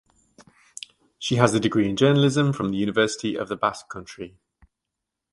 She has degree in journalism from the University of the Basque Country.